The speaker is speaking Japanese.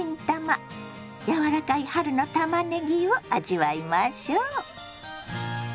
柔らかい春のたまねぎを味わいましょ。